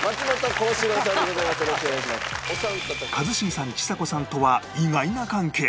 一茂さんちさ子さんとは意外な関係が！